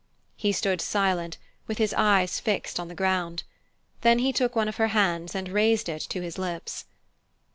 He stood silent, with his eyes fixed on the ground. Then he took one of her hands and raised it to his lips.